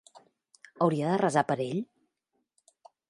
Hauria de resar per ell?